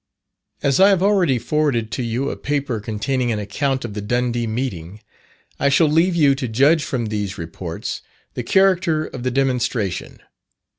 As I have already forwarded to you a paper containing an account of the Dundee meeting, I shall leave you to judge from these reports the character of the demonstration.